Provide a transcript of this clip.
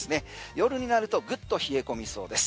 夜になるとぐっと冷え込みそうです。